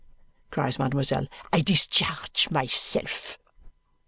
cries mademoiselle. "I discharge myself."